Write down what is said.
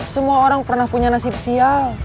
semua orang pernah punya nasib sial